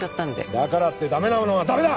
だからってダメなものはダメだ！